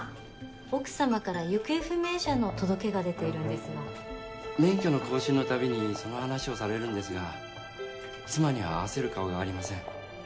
奥様から行方不明者の届けが免許の更新のたびにその話をされるんですが妻には合わせる顔がありません